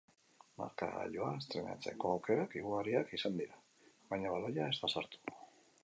Markagailua estreinatzeko aukerak ugariak izan dira, baina baloia ez da sartu.